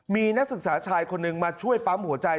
มีนักศึกษาชายคนหนึ่งมาช่วยปั๊มหัวใจ